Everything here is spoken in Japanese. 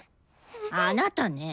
あなたねぇ！